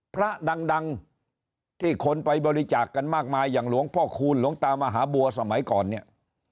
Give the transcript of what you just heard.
พระดังที่คนไปบริจาคกันมากมายอย่างหลวงพ่อคูณหลวงตามหาบัวสมัยก่อนเนี่ย